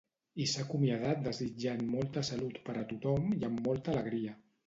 I s’ha acomiadat desitjant molta salut per a tothom i amb molta alegria.